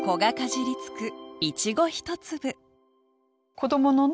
子どものね